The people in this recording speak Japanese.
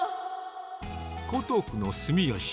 江東区の住吉。